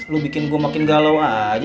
lu bikin gue makin galau aja